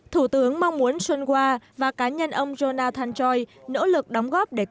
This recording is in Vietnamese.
thủ tướng mong muốn sunwa và cá nhân ông jonathan choi nỗ lực đóng góp tích cực vào quan hệ việt nam hồng kông năm hai nghìn một mươi bảy